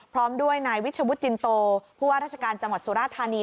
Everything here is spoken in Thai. พร้อมด้วยนายวิชวุฒิจินโตผู้ว่าราชการจังหวัดสุราธานี